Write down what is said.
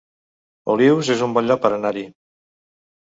Olius es un bon lloc per anar-hi